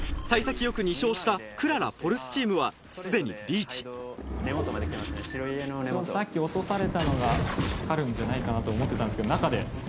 幸先良く２勝したくらら・ポルスチームは既にリーチさっき落とされたのがあるんじゃないかなと思ってたんですけど中で。